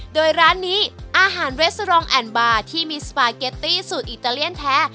โดยร้านนี้อาหารเวสรองแอนบาร์ที่มีสปาเกตตี้สูตรอิตาเลียนแท้